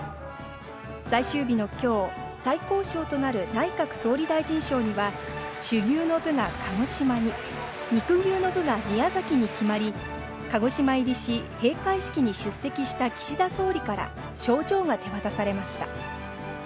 最終日の今日、最高賞となる内閣総理大臣賞には種牛の部が鹿児島に、肉牛の部が宮崎に決まり、鹿児島入りし、閉会式に出席した岸田総理から賞状が手渡されました。